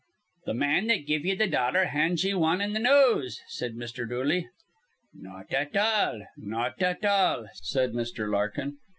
"Th' man that give ye th' dollar hands ye wan in th' nose," said Mr. Dooley. "Not at all, not at all," said Mr. Larkin.